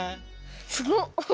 すごっ！